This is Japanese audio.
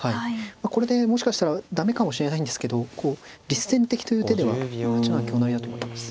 これでもしかしたら駄目かもしれないんですけど実戦的という手では８七香成だと思います。